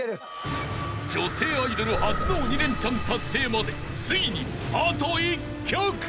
［女性アイドル初の鬼レンチャン達成までついにあと１曲］